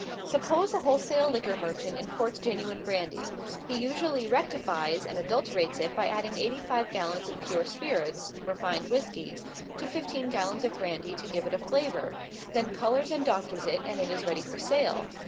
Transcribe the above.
Suppose a wholesale liquor merchant imports genuine brandy. He usually "rectifies" and adulterates it by adding eighty five gallons of pure spirits (refined whisky,) to fifteen gallons of brandy, to give it a flavor; then colors and "doctors" it, and it is ready for sale.